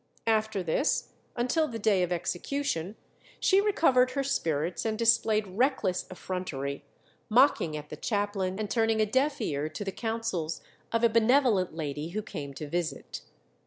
After this, until the day of execution, she recovered her spirits, and displayed reckless effrontery, mocking at the chaplain, and turning a deaf ear to the counsels of a benevolent lady who came to visit.